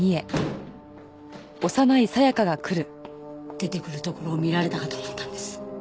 出てくるところを見られたかと思ったんです。